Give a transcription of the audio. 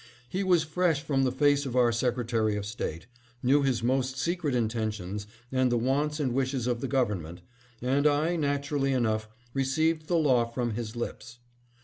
He was fresh from the face of our Secretary of State, knew his most secret intentions and the wants and wishes of the government, and I, natu rally enough, received the law from his lips.